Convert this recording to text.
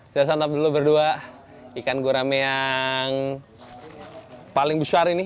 saya santap dulu berdua ikan gurame yang paling besar ini